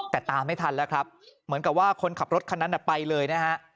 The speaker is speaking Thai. แต่ตามไม่ทันแล้วครับเหมือนกับว่าคนขับรถคันนั้นไปเลยนะฮะ